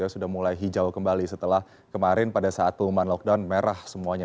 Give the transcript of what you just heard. sudah mulai hijau kembali setelah kemarin pada saat pengumuman lockdown merah semuanya